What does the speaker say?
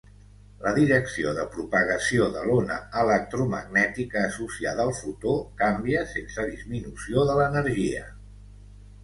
La direcció de propagació de l'ona electromagnètica associada al fotó canvia sense disminució de l'energia.